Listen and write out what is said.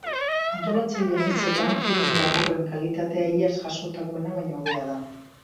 Antolatzaileen hitzetan, film laburren kalitatea iaz jasotakoena baino hobea da.